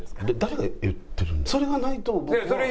それがないと僕は。